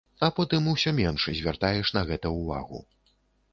А потым усё менш звяртаеш на гэта ўвагу.